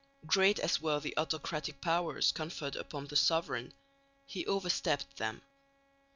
Great as were the autocratic powers conferred upon the sovereign, he overstepped them.